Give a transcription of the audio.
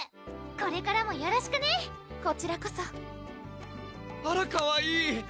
これからもよろしくねこちらこそあらかわいい